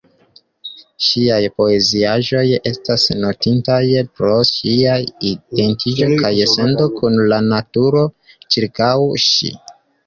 Ŝiaj poeziaĵoj estas notindaj pro ŝia identigo kaj sento kun la naturo ĉirkaŭ ŝi.